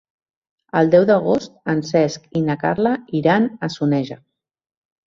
El deu d'agost en Cesc i na Carla iran a Soneja.